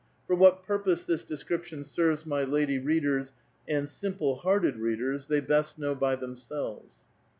For what purpose this description serves my lady readers and simple hearted readers, they best know by themselves.